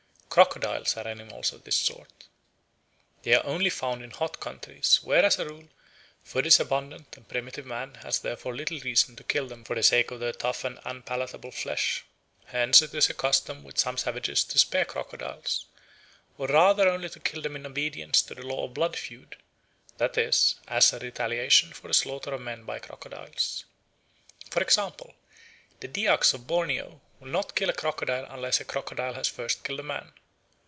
Crocodiles are animals of this sort. They are only found in hot countries, where, as a rule, food is abundant and primitive man has therefore little reason to kill them for the sake of their tough and unpalatable flesh. Hence it is a custom with some savages to spare crocodiles, or rather only to kill them in obedience to the law of blood feud, that is, as a retaliation for the slaughter of men by crocodiles. For example, the Dyaks of Borneo will not kill a crocodile unless a crocodile has first killed a man.